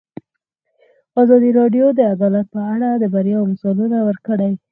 ازادي راډیو د عدالت په اړه د بریاوو مثالونه ورکړي.